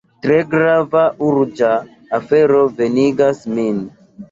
Tre grava, urĝa afero venigas min.